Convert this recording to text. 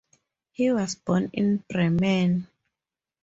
He was born in Bremen.